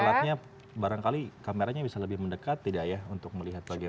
alatnya barangkali kameranya bisa lebih mendekat tidak ya untuk melihat bagaimana